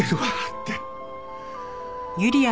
って。